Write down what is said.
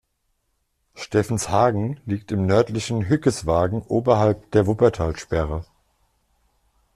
Steffenshagen liegt im nördlichen Hückeswagen oberhalb der Wuppertalsperre.